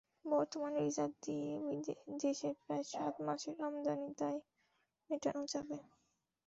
বর্তমান রিজার্ভ দিয়ে দেশের প্রায় সাত মাসের আমদানি দায় মেটানো যাবে।